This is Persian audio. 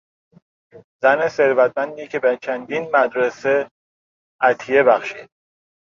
زن ثروتمندی که به چندین مدرسه عطیه بخشید.